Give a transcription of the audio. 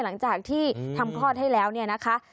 หลังจากที่ทำคอดให้แล้วนะคะ